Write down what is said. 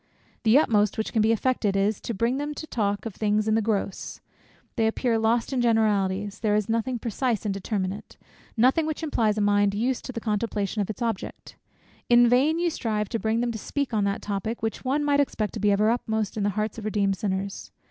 The utmost which can be effected is, to bring them to talk of things in the gross. They appear lost in generalities; there is nothing precise and determinate, nothing which implies a mind used to the contemplation of its object. In vain you strive to bring them to speak on that topic, which one might expect to be ever uppermost in the hearts of redeemed sinners.